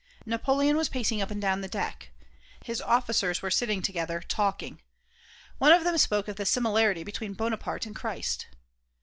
Napoleon was pacing up and down the deck. His officers were sitting to gether, talking. One of them spoke of the similarity between Bonaparte and Christ.